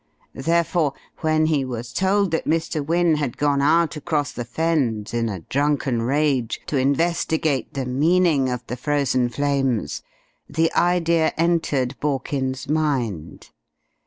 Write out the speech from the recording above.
Therefore, when he was told that Mr. Wynne had gone out across the Fens in a drunken rage, to investigate the meaning of the Frozen Flames, the idea entered Borkins's mind.